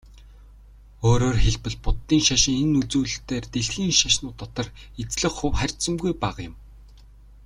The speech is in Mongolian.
Өөрөөр хэлбэл, буддын шашин энэ үзүүлэлтээрээ дэлхийн шашнууд дотор эзлэх хувь харьцангуй бага юм.